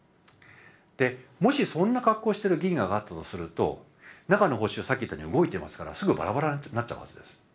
でもしそんな格好してる銀河があったとすると中の星はさっき言ったように動いてますからすぐバラバラになっちゃうはずです。